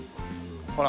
ほら。